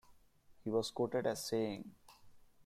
He was quoted as saying.